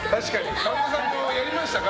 神田さんもやりましたか？